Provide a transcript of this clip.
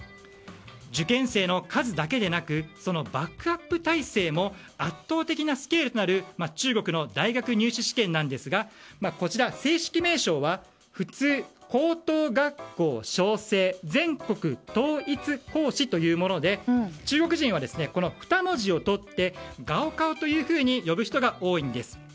受験生の数だけでなくそのバックアップ体制も圧倒的なスケールとなる中国の大学入試試験なんですがこちら正式名称は普通高等学校招生全国統一考試というもので中国人は、この２文字をとって「高考」というふうに呼ぶ人が多いんです。